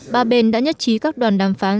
ba bên đã nhất trí các đoàn đàm phán